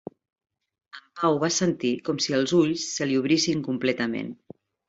En Pau va sentir com si els ulls se li obrissin completament.